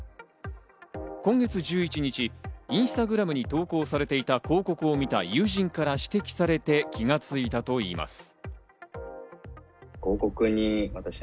今月１１日、インスタグラムに投稿されていた広告を見た友人から指摘されて気が付いたといいます。